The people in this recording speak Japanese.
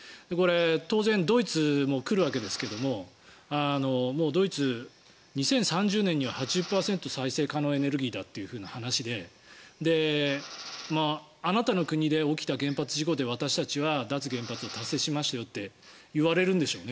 当然、ドイツも来るわけですがドイツ、２０３０年には８０％再生可能エネルギーだという話であなたの国で起きた原発事故で私たちは脱原発を達成しましたよってきっと言われるんでしょうね。